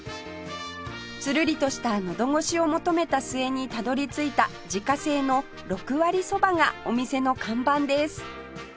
つるりとしたのどごしを求めた末にたどり着いた自家製の６割そばがお店の看板です